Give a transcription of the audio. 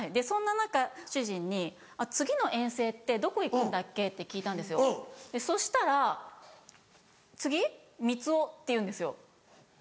そんな中主人に「次の遠征ってどこ行くんだっけ」って聞いたんですよそしたら「次？みつお」って言うんですよ